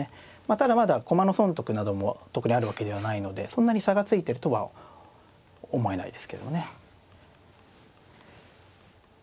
ただまだ駒の損得なども特にあるわけではないのでそんなに差がついてるとは思えないですけどもね。